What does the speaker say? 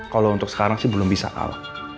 kalo untuk sekarang sih belum bisa al